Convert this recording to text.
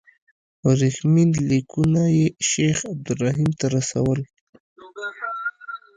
ورېښمین لیکونه یې شیخ عبدالرحیم ته رسول.